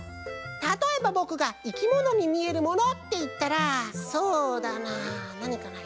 たとえばぼくが「いきものにみえるもの」っていったらそうだななにかな。